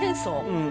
「うん。